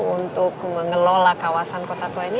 untuk mengelola kawasan kota tua ini